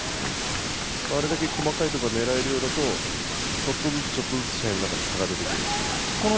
あれだけ細かいところを狙えるようだとちょっとずつ試合の中で差が出てくる。